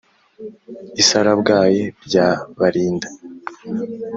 i sarabwayi rya barinda,